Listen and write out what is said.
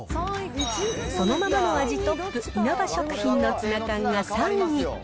そのままの味トップ、いなば食品のツナ缶が３位に。